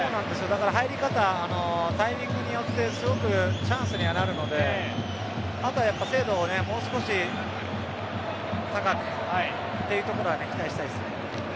入り方やタイミングによってチャンスになるのであとは精度をもう少し高く、というところは期待したいですね。